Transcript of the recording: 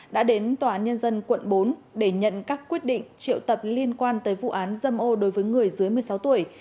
đã đến tòa án nhân dân quận bốn để nhận các quyết định triệu tập liên quan tới vụ án dâm ô đối với người dưới một mươi sáu tuổi